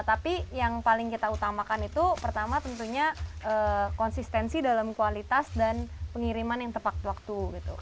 tapi yang paling kita utamakan itu pertama tentunya konsistensi dalam kualitas dan pengiriman yang tepat waktu